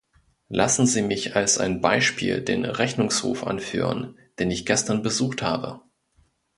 Lassen Sie mich als ein Beispiel den Rechnungshof anführen, den ich gestern besucht habe.